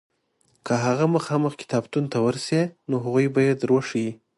که هغه مخامخ کتابتون ته ورشې نو هغوی به یې در وښیي.